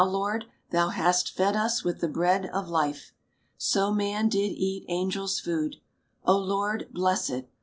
Lord, thou hast fed us with the bread of life. So man did eat angel's food. O Lord, bless it